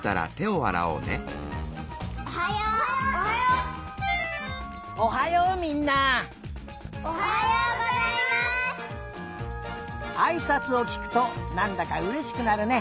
あいさつをきくとなんだかうれしくなるね。